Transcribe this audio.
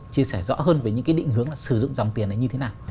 chia sẻ rõ hơn về những cái định hướng là sử dụng dòng tiền này như thế nào